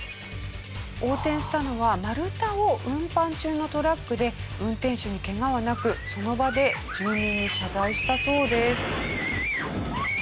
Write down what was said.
横転したのは丸太を運搬中のトラックで運転手にケガはなくその場で住民に謝罪したそうです。